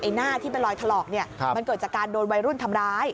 หน้าที่เป็นรอยถลอกเนี่ยมันเกิดจากการโดนวัยรุ่นทำร้าย